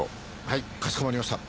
はいかしこまりました。